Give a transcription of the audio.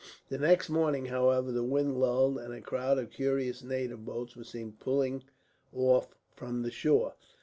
The next morning, however, the wind lulled, and a crowd of curious native boats were seen putting off from the shore.